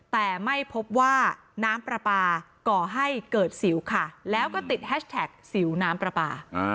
แต่ไม่พบว่าน้ำปลาปลาก่อให้เกิดสิวค่ะแล้วก็ติดแฮชแท็กสิวน้ำปลาปลา